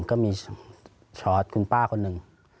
ก็มีแก่พาพุทธคุณป้าคนนึง